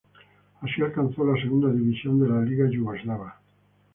Así alcanzó la Segunda División de la Liga Yugoslava.